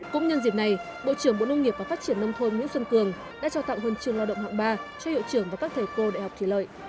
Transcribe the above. cũng nhân dịp này bộ trưởng bộ nông nghiệp và phát triển nông thôn nguyễn xuân cường đã trao tặng huân trường lao động hạng ba cho hiệu trưởng và các thầy cô đại học thủy lợi